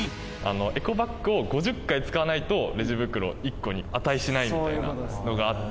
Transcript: エコバッグを５０回使わないと、レジ袋１個に値しないっていうのがあって。